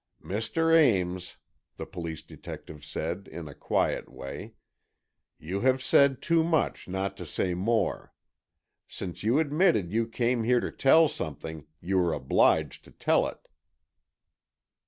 "Mr. Ames," the police detective said, in a quiet way, "you have said too much not to say more. Since you admitted you came here to tell something, you are obliged to tell it."